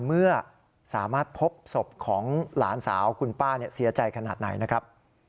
เมื่อสามารถพบศพของหลานสาวคุณป้าเสียใจขนาดไหนนะครับ